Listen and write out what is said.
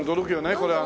これはね。